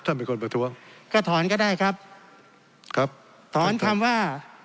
เป็นคนประท้วงก็ถอนก็ได้ครับครับถอนคำว่า